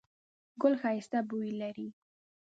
ګل ښایسته بوی لري